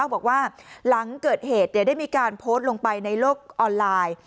บอกว่าหลังเกิดเหตุได้มีการโพสต์ลงไปในโลกออนไลน์